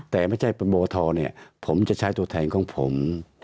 แต่ไม่ใช่โบทเนี่ยผมจะใช้ตูแทนของผม